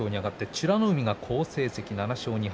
美ノ海が好成績７勝２敗。